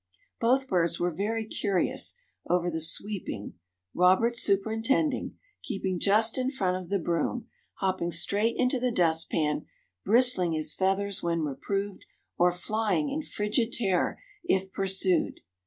Both birds were very curious over the sweeping, Robert superintending, keeping just in front of the broom, hopping straight into the dust pan, bristling his feathers when reproved, or flying, in frigid terror, if pursued.